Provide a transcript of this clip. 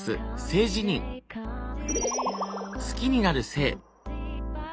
好きになる性。